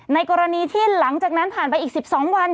ในกรณีที่หลังจากนั้นผ่านไปอีก๑๒วัน